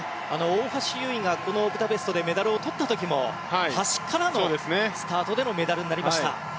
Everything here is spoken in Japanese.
大橋悠依がこのブダペストでメダルを取った時も端からのスタートでのメダルになりました。